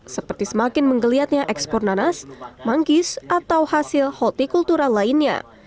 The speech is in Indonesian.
seperti semakin menggeliatnya ekspor nanas mangkis atau hasil holti kultural lainnya